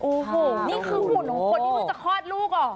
โอ้โหนี่คือหุ่นของคนที่มันจะคลอดลูกอ่ะ